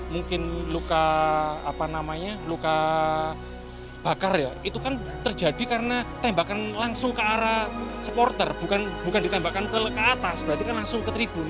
mungkin luka apa namanya luka bakar ya itu kan terjadi karena tembakan langsung ke arah supporter bukan ditembakkan ke atas berarti kan langsung ke tribun